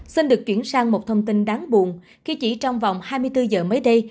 xin được chuyển sang một thông tin đáng buồn khi chỉ trong vòng hai mươi bốn giờ mới đây